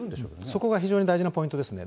そこが非常に大事なポイントですね。